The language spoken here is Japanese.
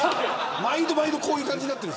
毎度毎度こういう感じになる。